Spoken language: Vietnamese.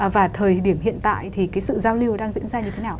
và thời điểm hiện tại thì cái sự giao lưu đang diễn ra như thế nào